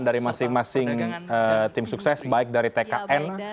dari masing masing tim sukses baik dari tkn